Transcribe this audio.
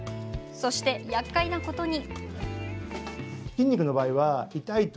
そして、やっかいなことに。